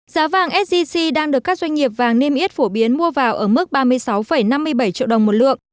giá vàng sgc đang được các doanh nghiệp vàng niêm yết phổ biến mua vào ở mức ba mươi sáu năm mươi bảy triệu đồng một lượng